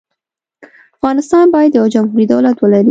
افغانستان باید یو جمهوري دولت ولري.